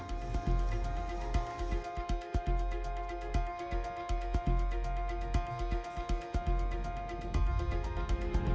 kampung kerang hijau diberi kekuatan